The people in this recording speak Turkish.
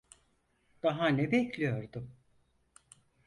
Daha ne bekliyordum?